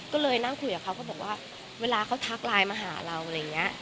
ก็เลยนั่งคุยกับเขาก็บอกว่าเวลาเขาทักไลน์มาหาเราอะไรอย่างนี้